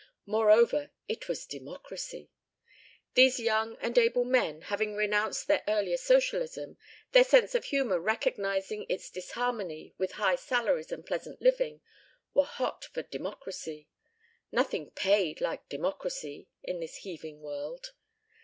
Moreover, it was Democracy. These young and able men, having renounced their earlier socialism, their sense of humor recognizing its disharmony with high salaries and pleasant living, were hot for Democracy. Nothing paid like Democracy in this heaving world.